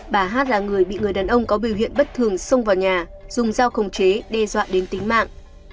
bà hát là người bị người đàn ông có biểu hiện bất thường xông vào nhà dùng dao khống chế đe dọa đến tính mạng